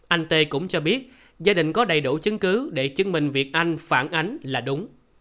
anh tê cũng cho biết gia đình có đầy đủ chứng cứ để chứng minh việc anh phản ánh là đúng